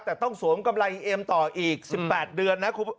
แต่ต้องสวมกำไรเอ็มต่ออีกสิบแปดเดือนนะครับ